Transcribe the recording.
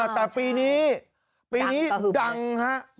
แต่ปีนี้ปีนี้ดังฮะ